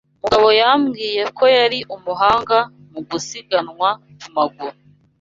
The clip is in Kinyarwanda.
Mugabo yambwiye ko yari umuhanga mu gusiganwa ku maguru.